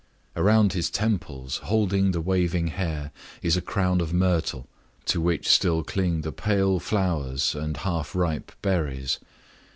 Around his temples, holding the waving hair, is a crown of myrtle, to which still cling the pale flowers and half ripe berries.